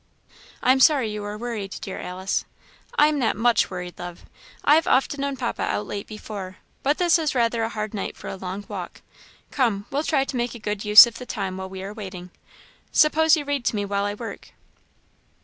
"I am sorry you are worried, dear Alice." "I am not much worried, love. I have often known Papa out late before, but this is rather a hard night for a long walk. Come, we'll try to make a good use of the time while we are waiting. Suppose you read to me while I work."